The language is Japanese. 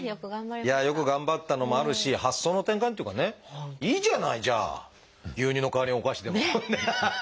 よく頑張ったのもあるし発想の転換っていうかねいいじゃないじゃあ牛乳の代わりにお菓子でもハハハ！